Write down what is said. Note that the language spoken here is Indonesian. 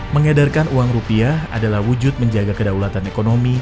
mengedarkan uang rupiah adalah wujud menjaga kedaulatan ekonomi